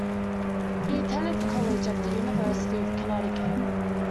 He attended college at the University of Connecticut.